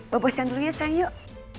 bawa pesan dulu ya sayang yuk